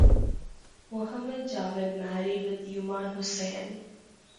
Mohammad Jawed married with Yuman Hussain.